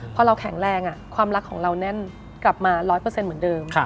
พอเราแข็งแรงความรักของเราแน่นกลับมา๑๐๐เหมือนเดิม